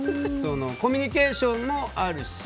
コミュニケーションもあるし